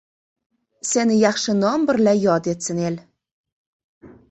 Seni yaxshi nom birla yod etsin el.